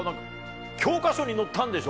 教科書に載ったんでしょ？